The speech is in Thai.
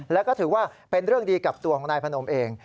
และถึงว่าเป็นเรื่องดีกับตัวของพอสำนักพุทธเอง